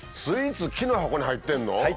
スイーツ木の箱に入ってんの？